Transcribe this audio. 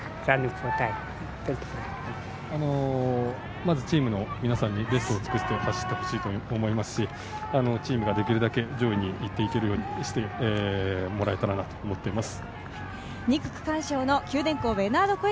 まずチームの皆さんにベストを尽くして走ってほしいと思いますしチームができるだけ上位にいけるようにしてもらえたらなと思っております。